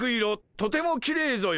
とてもきれいぞよ。